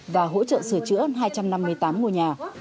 và hỗ trợ sửa chữa hai trăm năm mươi tám ngôi nhà